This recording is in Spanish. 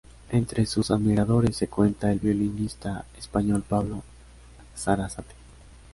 Entre sus admiradores se cuenta el violinista español Pablo Sarasate.